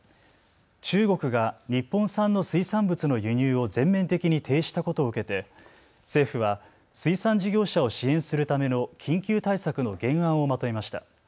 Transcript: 中国が日本産の水産物の輸入を全面的に停止したことを受けて政府は水産事業者を支援するための緊急対策の原案をまとめました。